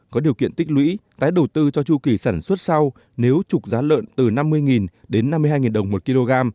có điều kiện tích lũy tái đầu tư cho chu kỳ sản xuất sau nếu trục giá lợn từ năm mươi đến năm mươi hai đồng một kg